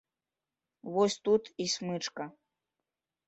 Вось тут і смычка.